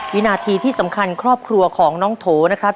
วินาทีที่สำคัญครอบครัวของน้องโถนะครับ